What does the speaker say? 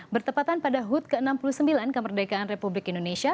bertepatan pada hut ke enam puluh sembilan kemerdekaan republik indonesia